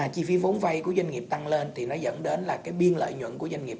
chi phí vốn vay của doanh nghiệp tăng lên thì nó dẫn đến là cái biên lợi nhuận của doanh nghiệp